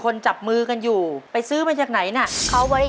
ขอเชิญแสงเดือนมาต่อชีวิตเป็นคนต่อชีวิตเป็นคนต่อชีวิต